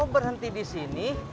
kok berhenti disini